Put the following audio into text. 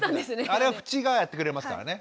あれはふちがやってくれますからね。